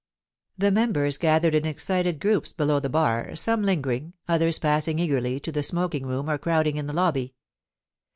The members gathered in excited groups below the bar, some lingering, others passing eagerly to the smoking room or crowding in the lobby.